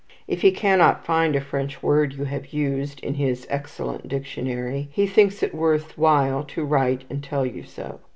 If he cannot find a French word you have used in his "excellent dictionary," he thinks it worth while to write and tell you so.